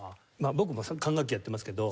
僕も管楽器やってますけど。